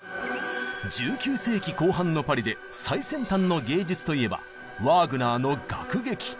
１９世紀後半のパリで最先端の芸術といえばワーグナーの「楽劇」。